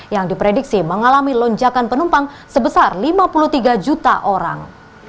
yang diprediksi mengalami lonjakan penumpang sebesar lima puluh tiga juta orang